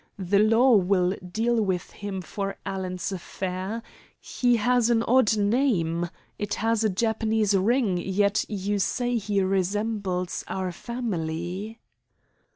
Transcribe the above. The law will deal with him for Alan's affair. He has an odd name! It has a Japanese ring, yet you say he resembles our family?"